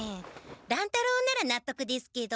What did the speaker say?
乱太郎ならなっとくですけど。